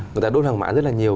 người ta đốt hàng mã rất là nhiều